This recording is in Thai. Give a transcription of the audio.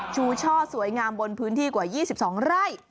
ช่อสวยงามบนพื้นที่กว่า๒๒ไร่